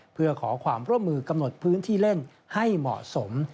เพื่อขอความร่วมมือกำหนดพื้นที่เล่นให้เหมาะสม